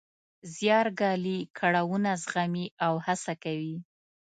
زیار ګالي، کړاوونه زغمي او هڅه کوي.